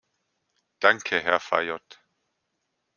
Danke, Herr Fayot.